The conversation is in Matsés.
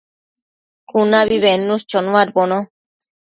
cunabi bednush chonuadbono